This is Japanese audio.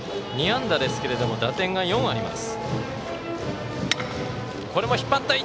２安打ですけれども打点が４あります。